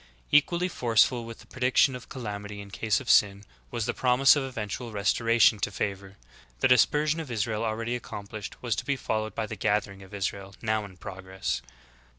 Equally forceful with the prediction of calamity in case of sin, was the promise of eventual restor ation to favor. The dispersion of Israel already accom plished, was to be followed by the gathering of Israel now in progress.'